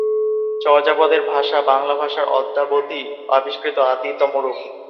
চর্যাপদের ভাষা বাংলা ভাষার অদ্যাবধি আবিষ্কৃত আদিতম রূপ।